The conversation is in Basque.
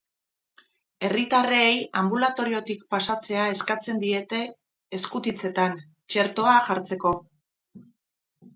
Herritarrei anbulatoriotik pasatzea eskatzen diete eskutitzetan, txertoa jartzeko.